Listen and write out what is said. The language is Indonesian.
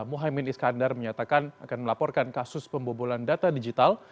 muhaymin iskandar menyatakan akan melaporkan kasus pembobolan data digital